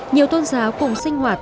nhiều tôn giáo cùng sinh hoạt